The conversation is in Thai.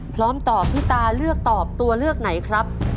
พร้อมตอบพี่ตาเลือกตอบตัวเลือกไหนครับ